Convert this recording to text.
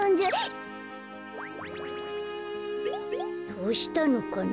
どうしたのかな。